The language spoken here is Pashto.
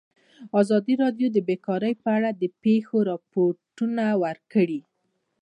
ازادي راډیو د بیکاري په اړه د پېښو رپوټونه ورکړي.